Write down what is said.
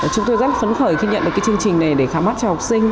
chúng tôi rất phấn khởi khi nhận được cái chương trình này để khám mắt cho học sinh